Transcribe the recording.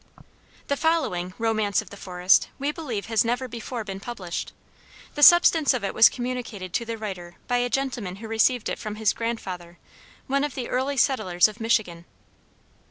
The following "romance of the forest" we believe has never before been published. The substance of it was communicated to the writer by a gentleman who received it from his grandfather, one of the early settlers of Michigan.